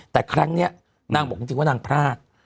แต่ครั้งนี้นางบอกจริงว่านางพลาด